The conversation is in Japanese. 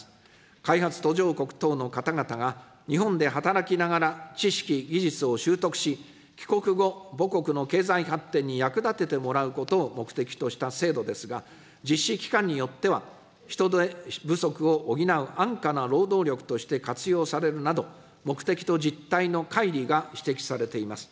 開発途上国等の方々が、日本で働きながら知識、技術を習得し、帰国後、母国の経済発展に役立ててもらうことを目的とした制度ですが、実施機関によっては、人手不足を補う安価な労働力として活用されるなど、目的と実態のかい離が指摘されています。